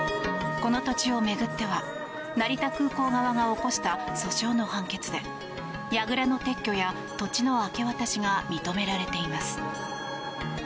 この土地を巡っては成田空港側が起こした訴訟の判決でやぐらの撤去や土地の明け渡しが認められています。